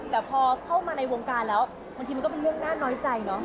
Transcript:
แต่พอเข้ามาในวงกาลก็มีเรื่องหน้าน้อยใจ